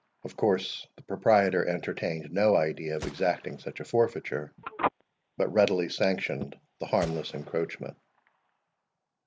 Of course, the proprietor entertained no idea of exacting such a forfeiture, but readily sanctioned the harmless encroachment.